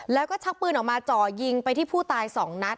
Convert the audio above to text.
แล้วก็ชักปืนออกมาจ่อยิงไปที่ผู้ตายสองนัด